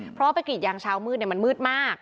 เพราะว่าไปกรีดยางเช้ามืดมันมืดมาก